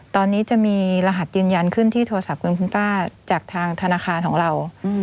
ตอนนี้จะมีรหัสยืนยันขึ้นที่โทรศัพท์คุณป้าจากทางธนาคารของเรา